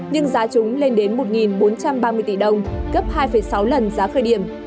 nhưng giá chúng lên đến một bốn trăm ba mươi tỷ đồng gấp hai sáu lần giá khởi điểm